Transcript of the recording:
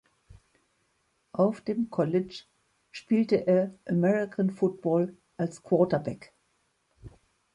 Auf dem College spielte er American Football als Quarterback.